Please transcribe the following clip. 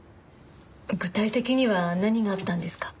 具体的には何があったんですか？